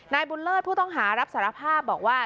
นายบุญเลิศผู้ต้องหารับสารภาพบอกว่า